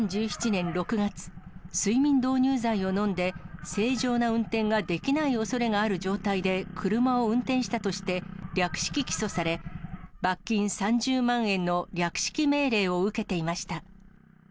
２０１７年６月、睡眠導入剤を飲んで、正常な運転ができないおそれがある状態で車を運転したとして、略式起訴され、罰金３０万円の略式命令を受けていました。